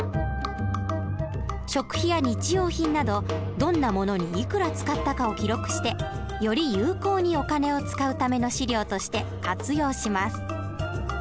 食費や日用品などどんなものにいくら使ったかを記録してより有効にお金を使うための資料として活用します。